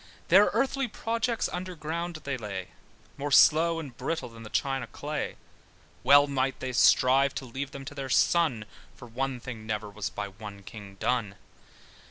Their earthy projects under ground they lay, More slow and brittle than the China clay: Well may they strive to leave them to their son, For one thing never was by one king done.